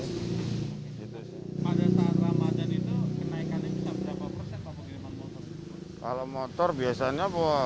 pada saat ramadhan itu kenaikannya bisa berapa persen pak pengiriman motor